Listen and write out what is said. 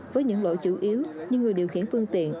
với những lỗi chủ yếu như người điều khiển phương tiện